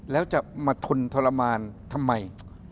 แล้วจะมาทนทรมานทำไม